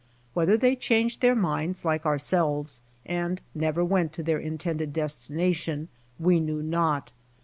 Whether they changed their minds, like ourselves, and never went to their intended destination, we knew not.